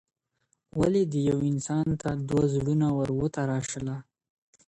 • ولي دي يو انسان ته دوه زړونه ور وتراشله.